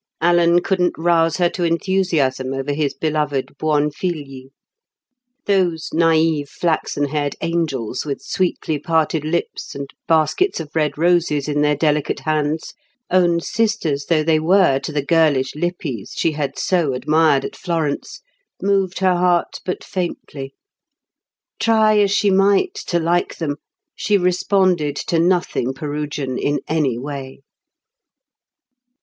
Alan couldn't rouse her to enthusiasm over his beloved Buonfigli. Those naïve flaxen haired angels, with sweetly parted lips, and baskets of red roses in their delicate hands, own sisters though they were to the girlish Lippis she had so admired at Florence, moved her heart but faintly. Try as she might to like them, she responded to nothing Perugian in any way.